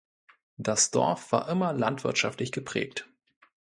Das Dorf war immer landwirtschaftlich geprägt.